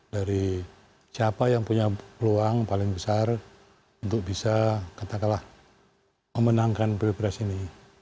dari siapa yang punya peluang paling besar untuk bisa katakanlah memenangkan pilpres ini